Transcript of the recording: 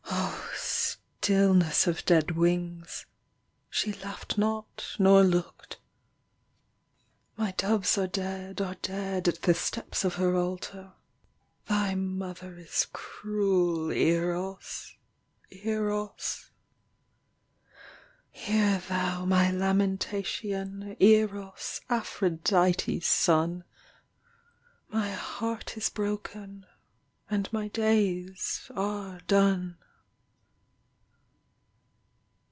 Oh, stillness Of dead wings. She laughed not nor looked. My doves are dead, Are dead at the steps of her altar. Thy mother is cruel Eros! Eros! Hear thou my lamentation, Eros, Aphrodite s son! My heart is broken and my days are done.